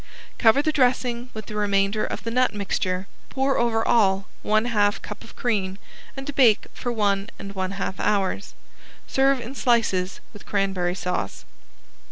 Cover the dressing with the remainder of the nut mixture, pour over all one half cup of cream, and bake for one and one half hours. Serve in slices with cranberry sauce.